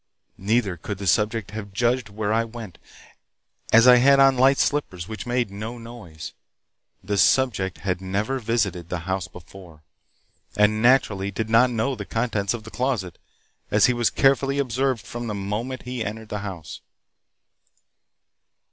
Neither could the subject have judged where I went, as I had on light slippers which made no noise. The subject had never visited the house before, and naturally did not know the contents of the closet as he was carefully observed from the moment he entered the house."